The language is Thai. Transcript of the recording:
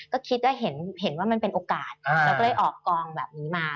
ก็คิดว่าเห็นว่ามันเป็นโอกาสเราก็เลยออกกองแบบนี้มา